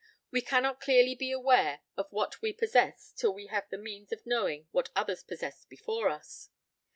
We cannot clearly be aware of what we possess till we have the means of knowing what others possessed before us.